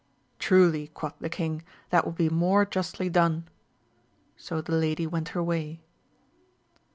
Truly, quoth the king, that would be more justly done. So the lady went her way.